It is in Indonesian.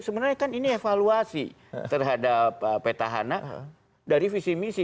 sebenarnya kan ini evaluasi terhadap petahana dari visi misi